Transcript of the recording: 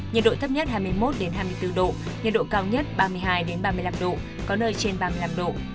nhiệt độ thấp nhất hai mươi một hai mươi bốn độ nhiệt độ cao nhất ba mươi hai ba mươi năm độ có nơi trên ba mươi năm độ